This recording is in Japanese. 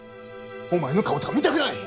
お前の顔とか見たくない！